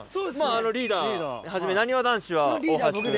リーダーはじめなにわ男子は大橋君。